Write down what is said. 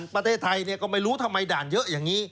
ประเทศไทยก็ไม่รู้ทำไมด่านเยอะอย่างนี้